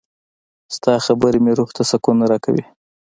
• ستا خبرې مې روح ته سکون راکوي.